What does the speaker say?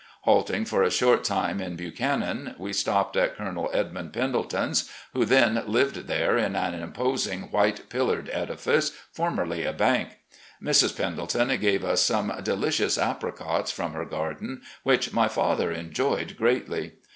Halting for a short time in Buchanan, we stopped at Colonel Edmund Pendleton's, who then lived there in an imposing white pillared edifice, formerly a bank. Mrs. Pendleton gave us some delicious apricots from her garden, which my father enjoyed greatly.